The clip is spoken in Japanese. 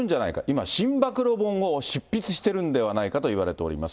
今、新暴露本を執筆してるんじゃないかといわれています。